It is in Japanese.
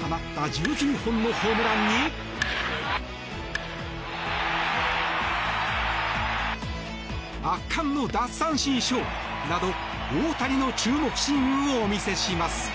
放った１９本のホームランに圧巻の奪三振ショーなど大谷の注目シーンをお見せします。